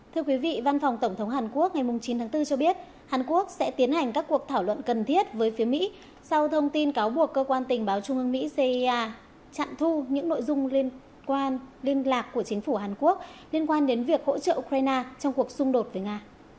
thưa quý vị văn phòng tổng thống hàn quốc ngày chín tháng bốn cho biết hàn quốc sẽ tiến hành các cuộc thảo luận cần thiết với phía mỹ sau thông tin cáo buộc cơ quan tình báo trung ương mỹ cia chặn thu những nội dung liên quan liên lạc của chính phủ hàn quốc liên quan đến việc hỗ trợ ukraine trong cuộc xung đột với nga